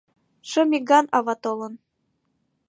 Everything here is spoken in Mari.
Шым иган ава толын.